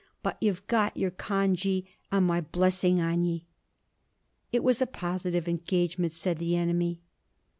But you've got your congee, and my blessing on ye!' 'It was a positive engagement,' said the enemy. Mr.